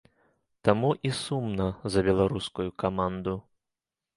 Таму і сумна за беларускую каманду.